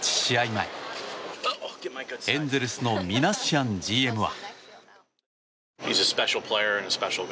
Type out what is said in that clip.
前エンゼルスのミナシアンＧＭは。